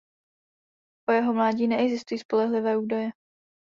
O jeho mládí neexistují spolehlivé údaje.